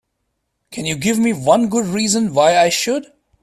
Can you give me one good reason why I should?